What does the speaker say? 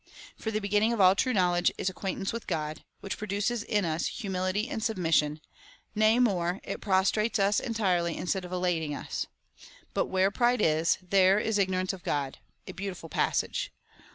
For the beginning of all time knowledge is acquaint ance with Grod, which produces in us humility and submis sion ; nay more, it prostrates us entirely instead of elating us. But where pride is, there is ignorance of God^ — a beau tiful passage